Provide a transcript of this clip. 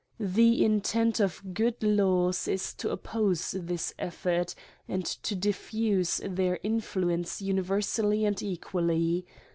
The intent of good laws is to oppose this effort, and to diffuse their influence universally and equally.